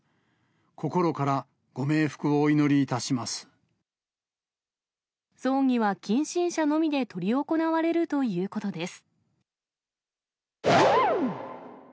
心からごめい福をお祈りいたしま葬儀は近親者のみで執り行われるということです。